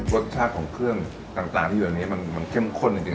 รสชาติของเครื่องต่างที่อยู่ในนี้มันเข้มข้นจริง